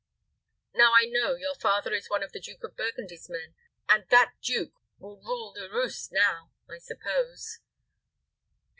Now I know, your father is one of the Duke of Burgundy's men, and that duke will rule the roast now, I suppose."